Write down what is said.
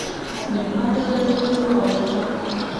مېلمه ته له زړه دعا وکړه.